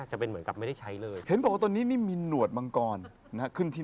แต่เขาตัดได้มั้ยอันนี้อย่างนี้อย่างนี้